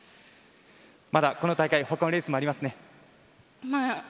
まだ、この大会ほかのレースもありますね。